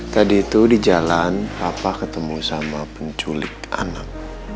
tadi itu di jalan papa ketemu sama penculik anak